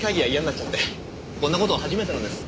こんな事初めてなんです。